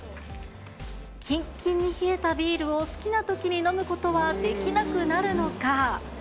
きんきんに冷えたビールを好きなときに飲むことはできなくなるのか？